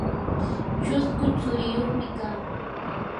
chusku tsuriyuqmi kaa.